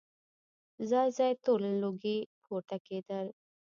ځای ځای تور لوګي پورته کېدل.